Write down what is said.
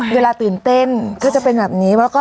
ตื่นเต้นก็จะเป็นแบบนี้